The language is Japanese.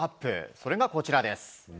それが、こちらです。